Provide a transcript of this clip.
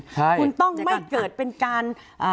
คุณต้องไม่เกิดเป็นการ